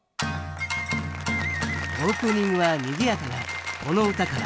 オープニングはにぎやかなこの唄から。